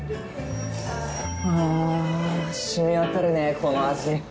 ああ染み渡るねこの味。